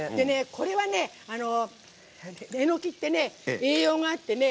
これはね、えのきってね栄養があってね